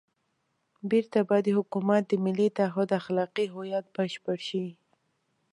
بېرته به د حکومت د ملي تعهُد اخلاقي هویت بشپړ شي.